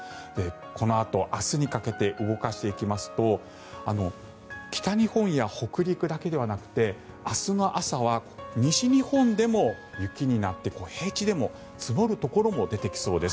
このあと、明日にかけて動かしていきますと北日本や北陸だけではなくて明日の朝は西日本でも雪になって平地でも積もるところも出てきそうです。